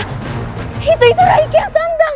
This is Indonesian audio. rai raka itu itu rai aikian santai